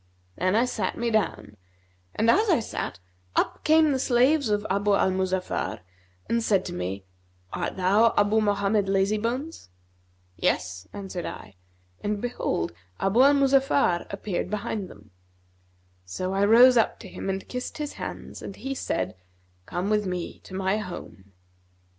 Then I sat me down and as I sat, up came the slaves of Abu al Muzaffar and said to me, 'Art thou Abu Mohammed Lazybones?' 'Yes' answered I; and behold, Abu al Muzaffar appeared behind them. So I rose up to him and kissed his hands: and he said, 'Come with me to my home.'